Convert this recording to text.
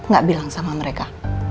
gak bilang sama mereka